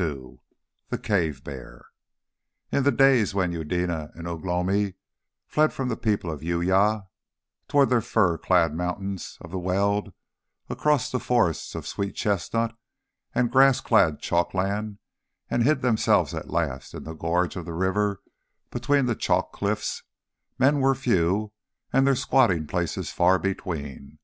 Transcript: II THE CAVE BEAR In the days when Eudena and Ugh lomi fled from the people of Uya towards the fir clad mountains of the Weald, across the forests of sweet chestnut and the grass clad chalkland, and hid themselves at last in the gorge of the river between the chalk cliffs, men were few and their squatting places far between.